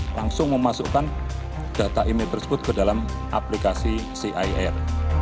langsung memasukkan data email tersebut ke dalam aplikasi cir